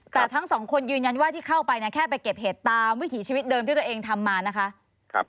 แต่ทั้งสองคนยืนยันว่าที่เข้าไปเนี่ยแค่ไปเก็บเห็ดตามวิถีชีวิตเดิมที่ตัวเองทำมานะคะ